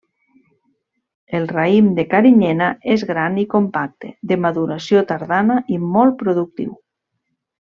El raïm de carinyena és gran i compacte, de maduració tardana i molt productiu.